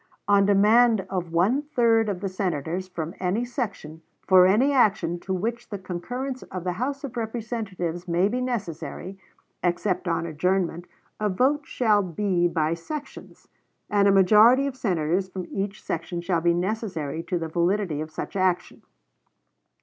On demand of one third of the Senators from any section, for any action to which the concurrence of the House of Representatives may be necessary, except on adjournment, a vote shall be by sections, and a majority of Senators from each section shall be necessary to the validity of such action.